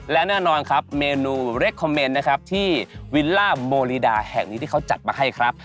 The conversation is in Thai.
และแน่นอนครับเมนูเรคคอมเมนต์นะครับที่วิลล่าโมลีดาแห่งนี้ที่เขาจัดมาให้ครับ